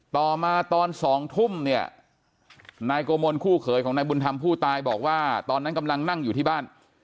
ต่อมาตอน๒ทุ่มเนี่ยนายโกมลคู่เขยของนายบุญธรรมผู้ตายบอกว่าตอนนั้นกำลังนั่งอยู่ที่บ้าน